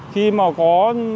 khi mà có